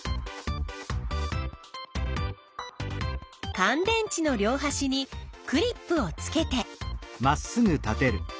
かん電池の両はしにクリップをつけて。